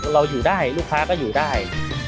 เราอยู่ได้ลูกค้าก็อยู่ได้